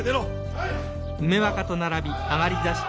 はい！